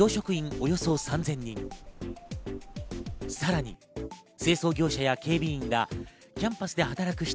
およそ３０００人、さらに清掃業者や警備員ら、キャンパスで働く人